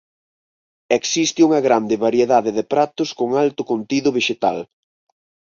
Existe unha grande variedade de pratos con alto contido vexetal.